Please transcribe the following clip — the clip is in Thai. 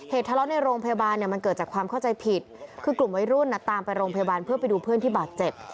ทะเลาะในโรงพยาบาลเนี่ยมันเกิดจากความเข้าใจผิดคือกลุ่มวัยรุ่นตามไปโรงพยาบาลเพื่อไปดูเพื่อนที่บาดเจ็บ